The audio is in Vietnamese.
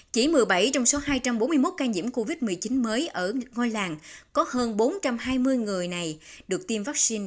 chỉ một mươi bảy trong số hai trăm bốn mươi một ca nhiễm